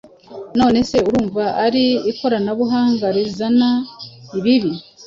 None se urumva ari ikoranabuhanga rizana ibibi?